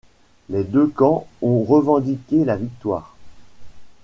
Les deux camps ont revendiqué la victoire.